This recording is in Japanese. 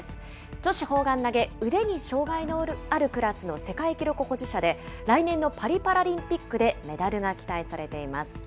女子砲丸投げ、腕に障害のあるクラスの世界記録保持者で、来年のパリパラリンピックでメダルが期待されています。